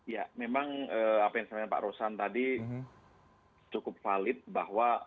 ya memang apa yang disampaikan pak rosan tadi cukup valid bahwa